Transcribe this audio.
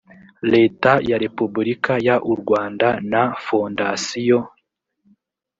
leta ya repubulika y u rwanda na fondasiyo